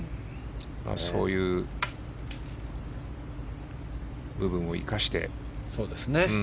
そういう部分を生かして。